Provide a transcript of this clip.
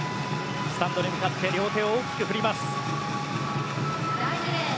スタンドに向かって両手を大きく振りました。